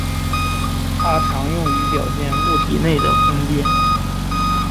它常用于表现物体内的空间。